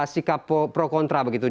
sikap pro kontra begitu